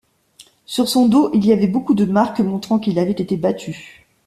Sur son dos il y avait beaucoup de marques montrant qu'il avait été battu.